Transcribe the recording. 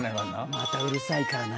またうるさいかな。